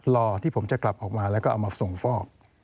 รอที่ผมจะกลับออกมาแล้วก็เอามาส่งฟอก